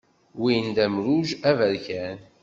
Win d amruj aberkan.